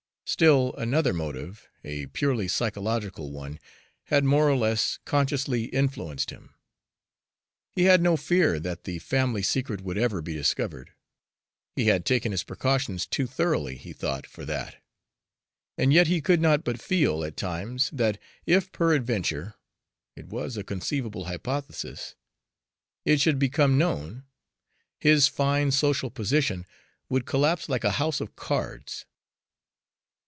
Still another motive, a purely psychological one, had more or less consciously influenced him. He had no fear that the family secret would ever be discovered, he had taken his precautions too thoroughly, he thought, for that; and yet he could not but feel, at times, that if peradventure it was a conceivable hypothesis it should become known, his fine social position would collapse like a house of cards.